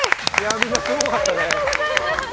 みんな、すごかったね。